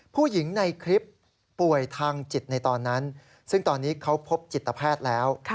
ผู้หญิงในคลิปป่วยทางจิตในตอนนั้นซึ่งตอนนี้เขาพบจิตแพทย์แล้ว